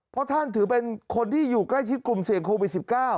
เพราะท่านถือเป็นคนที่อยู่ใกล้ชิดกลุ่มเสี่ยงโควิด๑๙